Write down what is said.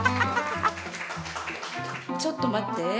ちょっと待って！